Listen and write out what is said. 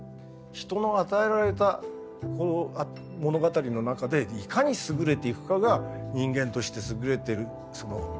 人の与えられたこの物語の中でいかに優れていくかが人間として優れてるそのあるべき姿なんだ。